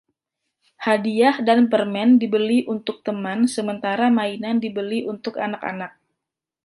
Hadiah dan permen dibeli untuk teman sementara mainan dibeli untuk anak-anak.